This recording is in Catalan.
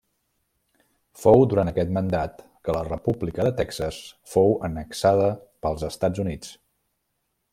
Fou durant aquest mandat que la República de Texas fou annexada pels Estats Units.